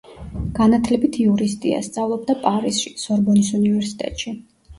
განათლებით იურისტია, სწავლობდა პარიზში, სორბონის უნივერსიტეტში.